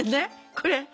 これ。